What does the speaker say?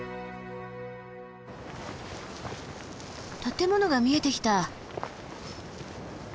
建物が見えてきた。